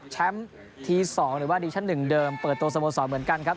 แชมป์ทีสองหรือว่าดีชั้นหนึ่งเดิมเปิดตัวสโมสรเหมือนกันครับ